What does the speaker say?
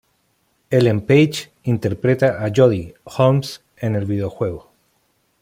Ellen Page interpreta a Jodie Holmes en el videojuego.